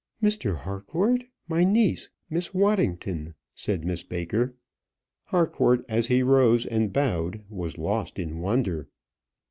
"Mr. Harcourt, my niece, Miss Waddington," said Miss Baker. Harcourt, as he rose and bowed, was lost in wonder.